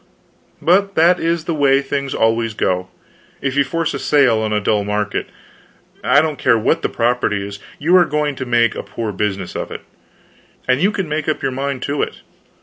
But that is the way things always go; if you force a sale on a dull market, I don't care what the property is, you are going to make a poor business of it, and you can make up your mind to it.